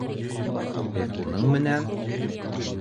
Һеҙ уның менән...